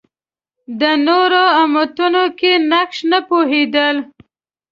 د نورو امتونو کې نقش نه پوهېدل